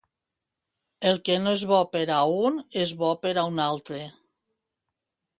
El que no és bo per a un, és bo per a un altre.